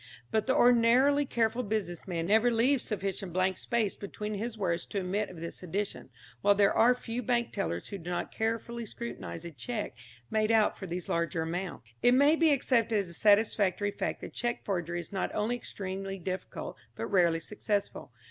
But the ordinarily careful business man never leaves sufficient blank space between his words to admit of this addition, while there are few bank tellers who do not carefully scrutinise a cheque made out for these larger amounts. It may be accepted as a satisfactory fact that cheque forgery is not only extremely difficult, but rarely successful.